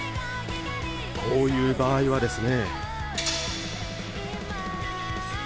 こういう場合はですね。